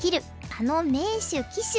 あの名手・鬼手」。